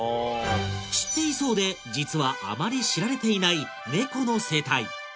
知っていそうで実はあまり知られていない猫の生態！